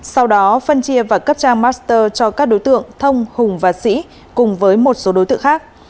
sau đó phân chia và cấp trang master cho các đối tượng thông hùng và sĩ cùng với một số đối tượng khác